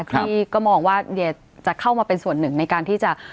ที่ก็มองว่าเดียจะเข้ามาเป็นส่วนหนึ่งในการที่จะ